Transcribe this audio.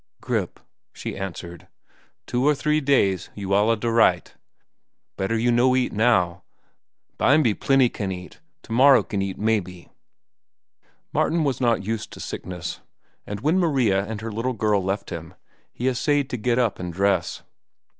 "Grip," she answered. "Two or three days you alla da right. Better you no eat now. Bimeby plenty can eat, to morrow can eat maybe." Martin was not used to sickness, and when Maria and her little girl left him, he essayed to get up and dress.